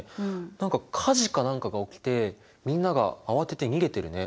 何か火事か何かが起きてみんなが慌てて逃げてるね。